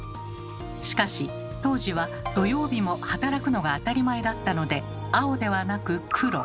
しかし当時は土曜日も働くのが当たり前だったので青ではなく黒。